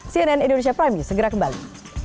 cnn indonesia prime news segera kembali